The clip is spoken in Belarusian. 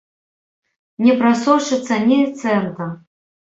Не прасочыцца ні цэнта!